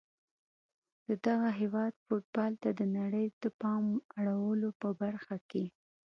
د دغه هیواد فوټبال ته د نړۍ د پام اړولو په برخه کي